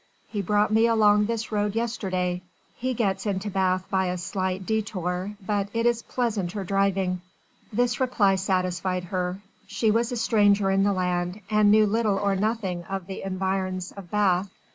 He brought me along this road yesterday. He gets into Bath by a slight détour but it is pleasanter driving." This reply satisfied her. She was a stranger in the land, and knew little or nothing of the environs of Bath.